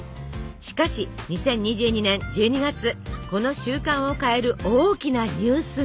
しかし２０２２年１２月この習慣を変える大きなニュースが。